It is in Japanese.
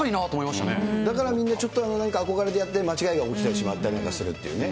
だからみんな、ちょっとなんか憧れてやって、間違いが起きてしまったりなんかするっていうね。